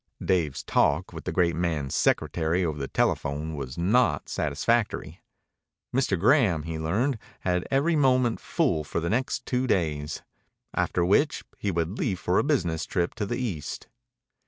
Dave's talk with the great man's secretary over the telephone was not satisfactory. Mr. Graham, he learned, had every moment full for the next two days, after which he would leave for a business trip to the East.